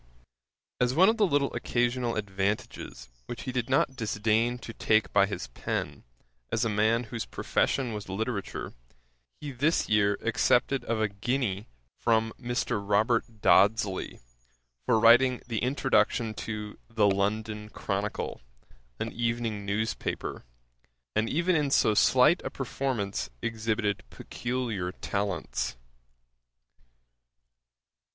As one of the little occasional advantages which he did not disdain to take by his pen, as a man whose profession was literature, he this year accepted of a guinea from Mr. Robert Dodsley, for writing the introduction to The London Chronicle, an evening news paper; and even in so slight a performance exhibited peculiar talents.